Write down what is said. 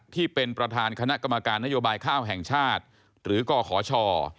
ที่เป็นประธานคณะกรรมการนโยบายข้าวแห่งชาติหรือกหช